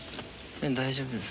大丈夫です。